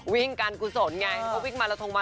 วิ่งการกุศลไงเพราะวิ่งมาลาทน